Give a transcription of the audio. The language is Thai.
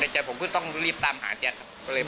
ช่วยเร่งจับตัวคนร้ายให้ได้โดยเร่ง